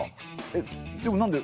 えっでもなんで？